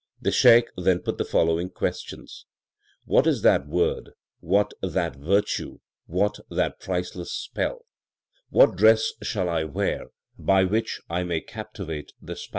The Shaikh then put the following questions : What is that word, what that virtue, what that priceless spell What dress shall I wear by which I may captivate the Spouse